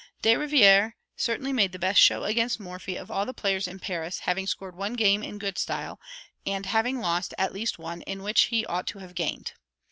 De Rivière certainly made the best show against Morphy of all the players in Paris, having scored one game in good style, and having lost at least one which he ought to have gained.